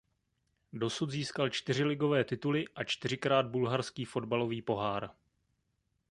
Dosud získal čtyři ligové tituly a čtyřikrát bulharský fotbalový pohár.